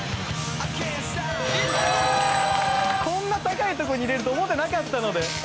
こんな高いとこにいれると思ってなかったので。